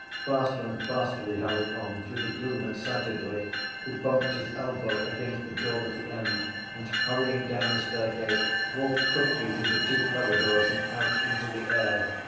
Faster and faster he hurried on through the gloom excitedly. He bumped his elbow against the door at the end and, hurrying down the staircase, walked quickly through the two corridors and out into the air.